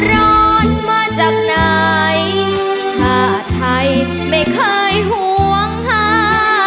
รอดมาจากไหนชาติไทยไม่เคยหวงหา